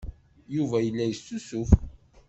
Yuba yella yessusuf.